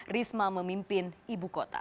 risma memimpin ibu kota